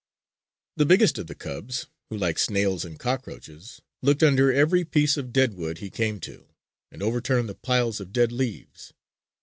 The biggest of the cubs, who liked snails and cockroaches, looked under every piece of dead wood he came to and overturned the piles of dead leaves.